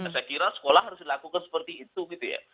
saya kira sekolah harus dilakukan seperti itu gitu ya